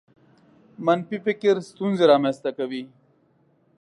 منفي فکر ستونزې رامنځته کوي.